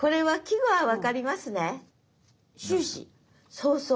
そうそう。